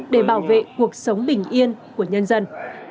để bảo vệ cuộc sống bình yên của nhân dân